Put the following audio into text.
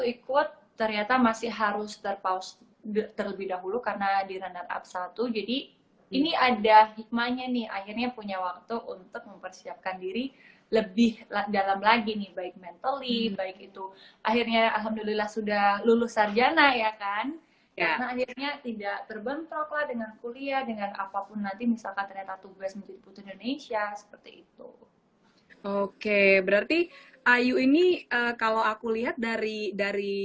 berikut ternyata masih harus terpause terlebih dahulu karena di runner up satu jadi ini ada hikmahnya nih akhirnya punya waktu untuk mempersiapkan diri lebih dalam lagi nih baik mentali baik itu akhirnya alhamdulillah sudah lulus sarjana ya kan karena akhirnya tidak terbentuklah dengan kuliah dengan apapun nanti misalkan ternyata tugas menjadi putri indonesia seperti itu oke berarti ayu ini kalau aku lihat dari dari